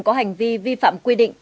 có hành vi vi phạm quy định